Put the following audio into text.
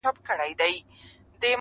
د خيال غزل بۀ هم صنمه پۀ رو رو غږېدو,